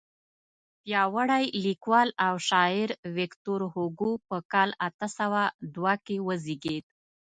پیاوړی لیکوال او شاعر ویکتور هوګو په کال اته سوه دوه کې وزیږېد.